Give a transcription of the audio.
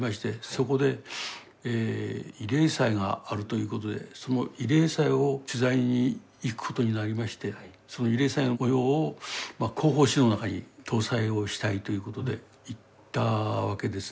そこで慰霊祭があるということでその慰霊祭を取材に行くことになりましてその慰霊祭の模様を広報誌の中に登載をしたいということで行ったわけですね。